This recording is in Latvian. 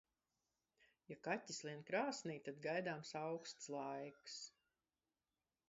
Ja kaķis lien krāsnī, tad gaidāms auksts laiks.